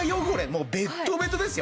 もうベットベトですよ。